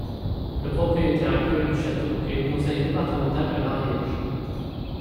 Le propriétaire actuel du château est le Conseil départemental de l'Ariège.